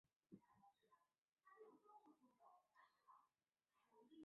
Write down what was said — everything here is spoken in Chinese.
贝达是一个位于美国阿拉巴马州卡温顿县的非建制地区。